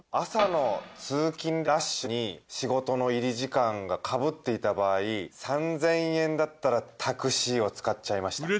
朝の通勤ラッシュに仕事の入り時間がかぶっていた場合３，０００円だったらタクシーを使っちゃいました。